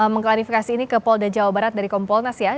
mengklarifikasi ini ke polda jawa barat dari kompolnas ya